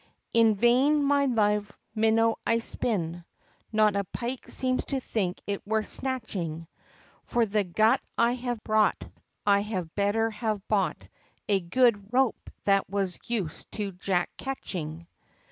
In vain my live minnow I spin, Not a Pike seems to think it worth snatching; For the gut I have brought, I had better have bought A good rope that was used to Jack ketching!